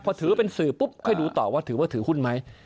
พอถือเป็นสื่อปุ๊บค่อยดูต่อว่าถือว่าถือหุ้นไหม